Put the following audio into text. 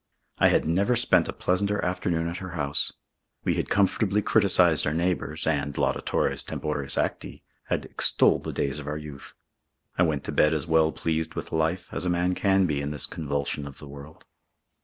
I had never spent a pleasanter afternoon at her house. We had comfortably criticised our neighbours, and, laudatores temporis acti, had extolled the days of our youth. I went to bed as well pleased with life as a man can be in this convulsion of the world.